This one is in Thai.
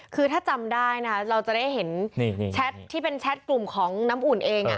คือถ้าจำได้นะคะเราจะได้เห็นแชทที่เป็นแชทกลุ่มของน้ำอุ่นเอง